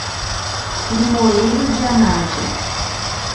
Limoeiro de Anadia